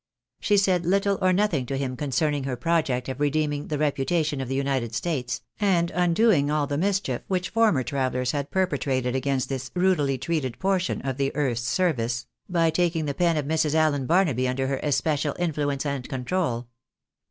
She said little or nothing to him concerning her project of' redeeming the reputation of the United States, and un doing all the mischief which former travellers had perpetrated against this rudely treated portion of the earth's surface, by taking the pen of Mrs. Allen Barnaby under her especial influence and control.